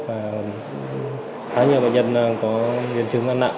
và khá nhiều bệnh nhân có biến chứng nặng